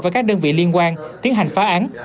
và các đơn vị liên quan tiến hành phá án